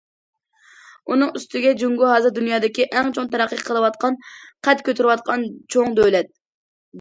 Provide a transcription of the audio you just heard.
ئۇنىڭ ئۈستىگە جۇڭگو ھازىر دۇنيادىكى ئەڭ چوڭ تەرەققىي قىلىۋاتقان، قەد كۆتۈرۈۋاتقان چوڭ دۆلەت.